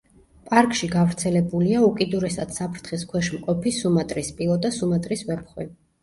პარკში გავრცელებულია უკიდურესად საფრთხის ქვეშ მყოფი სუმატრის სპილო და სუმატრის ვეფხვი.